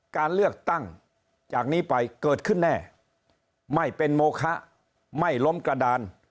การเลือกตั้งจากนี้ไปเกิดขึ้นแน่ไม่เป็นโมคะไม่ล้มกระดาน